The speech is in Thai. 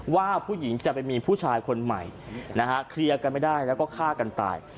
ว่าผู้หญิงจะไปมีผู้ชายคนใหม่นะฮะเคลียร์กันไม่ได้แล้วก็ฆ่ากันตาย